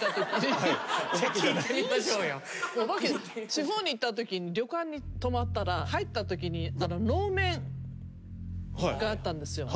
地方に行ったときに旅館に泊まったら入ったときに能面があったんですよ。